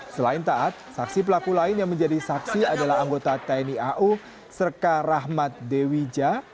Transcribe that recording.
selain taat saksi pelaku lain yang menjadi saksi adalah anggota tni au serka rahmat dewija